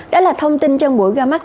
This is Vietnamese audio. đó là thông tin trong buổi ra mắt